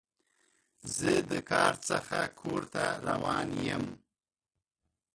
زه د کار څخه کور ته روان یم.